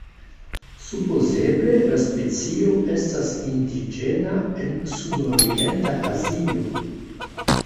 Supozeble la specio estas indiĝena en sud-orienta Azio.